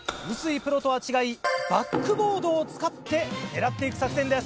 プロとは違いバックボードを使って狙っていく作戦です。